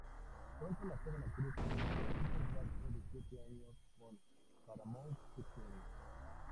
Pronto la joven actriz firmó un contrato de siete años con Paramount Pictures.